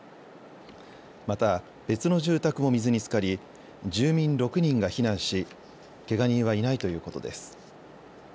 また別の住宅も水につかり住民６人が避難しけが人はいないということです。